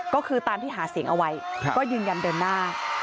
ก็คือตามที่หาเสียงเอาไว้ก็ยืนยันเดินหน้า